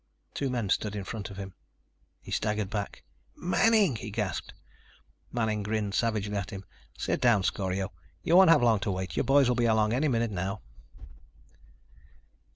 Two men stood in front of him. He staggered back. "Manning!" he gasped. Manning grinned savagely at him. "Sit down, Scorio. You won't have long to wait. Your boys will be along any minute now."